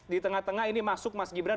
di tengah tengah ini masuk mas gibran